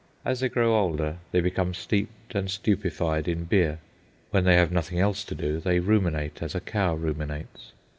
As they grow older they become steeped and stupefied in beer. When they have nothing else to do, they ruminate as a cow ruminates.